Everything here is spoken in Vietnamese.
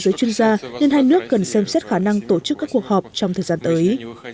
giới chuyên gia nên hai nước cần xem xét khả năng tổ chức các cuộc họp trong thời gian tới